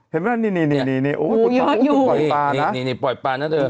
เห็นไหมนะนี่นี่นี่นี่นี่โอ้ยยอดอยู่นี่นี่นี่ปล่อยปลานะเถอะ